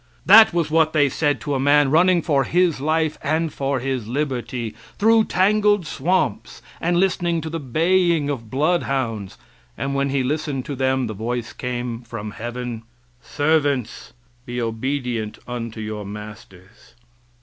That was what they said to a man running for his life and for his liberty through tangled swamps and listening to the baying of bloodhounds, and when he listened for them the voice came from heaven: "Servants, be obedient unto your masters."